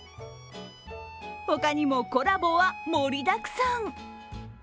他にも、コラボは盛りだくさん。